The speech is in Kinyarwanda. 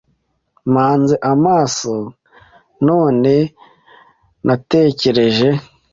Mpanze amaso none natekereje